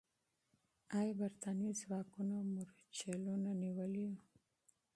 آیا برتانوي ځواکونو مرچلونه نیولي وو؟